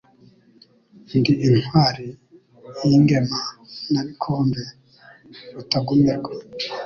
ndi intwali y'ingemanabikombe, Rutagumirwa